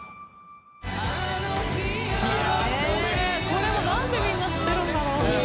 これもなんでみんな知ってるんだろう？」